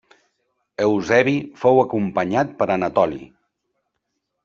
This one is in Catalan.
Eusebi fou acompanyat per Anatoli.